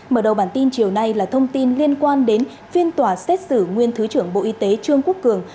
mở đầu bản tin chiều nay là thông tin liên quan đến phiên tòa xét xử nguyên thứ trưởng bộ y tế trương quốc cường